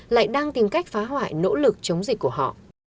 lại đang tìm cách phá hoại nỗ lực chống dịch của họ